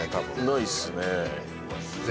ないですね。